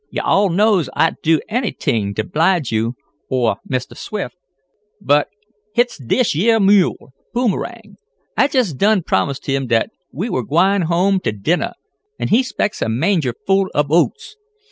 "Yo' all knows I'd do anyt'ing t' 'blige yo' or Mistah Swift. But hits dish yeah mule, Boomerang. I jest done promised him dat we were gwine home t' dinnah, an' he 'spects a manger full ob oats.